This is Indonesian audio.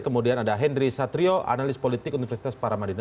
kemudian ada hendry satrio analis politik universitas paramadina